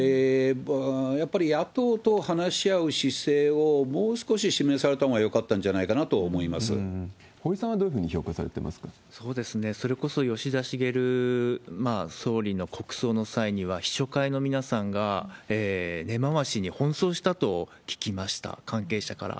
やっぱり野党と話し合う姿勢をもう少し示されたほうがよかったん堀さんはどういうふうに評価それこそ、吉田茂総理の国葬の際には、秘書会の皆さんが根回しに奔走したと聞きました、関係者から。